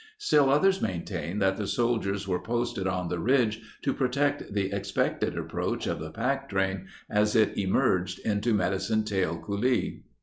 Still others maintain that the soldiers were posted on the ridge to protect the expected ap proach of the packtrain as it emerged into Medicine Tail Coulee.